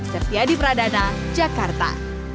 sertia di pradana jakarta